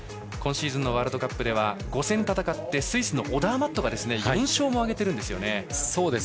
今シーズンのワールドカップでは５戦戦ってスイスのオダーマットが４勝も挙げているんですよね。